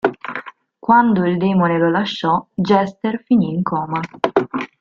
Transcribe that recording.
Quando il demone lo lasciò, Jester finì in coma.